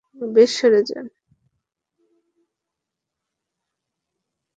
বেশ, সরে যান!